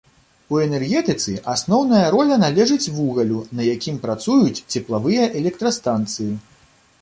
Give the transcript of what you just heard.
У энергетыцы асноўная роля належыць вугалю, на якім працуюць цеплавыя электрастанцыі.